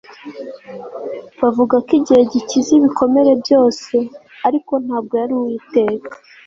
bavuga ko igihe gikiza ibikomere byose. ariko ntabwo yari uwiteka